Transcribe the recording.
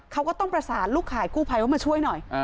เขาก็ต้องประสานลูกข่ายกู้ภัยว่ามาช่วยหน่อย